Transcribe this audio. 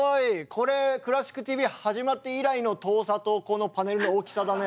これ「クラシックＴＶ」始まって以来の遠さとこのパネルの大きさだね。